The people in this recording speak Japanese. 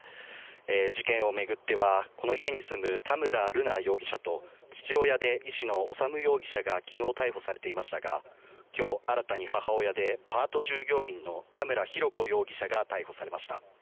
事件を巡ってはこの家に住む田村瑠奈容疑者と父親で医師の修容疑者が昨日逮捕されていましたが今日、新たに母親でパート従業員の田村浩子容疑者が逮捕されました。